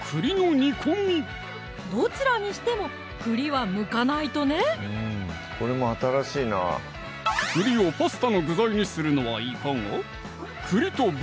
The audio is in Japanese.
どちらにしても栗はむかないとね栗をパスタの具材にするのはいかが？